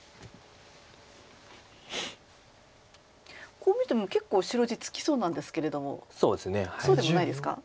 こう見ても結構白地つきそうなんですけれどもそうでもないですか？